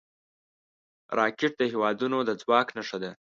راکټ د هیوادونو د ځواک نښه ده